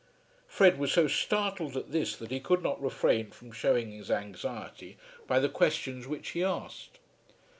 Fred was so startled at this that he could not refrain from showing his anxiety by the questions which he asked.